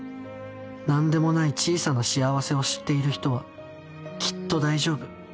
なんでもない小さな幸せを知っている人はきっと大丈夫。